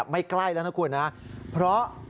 ไม่ใกล้แล้วนะคุณนะเพราะ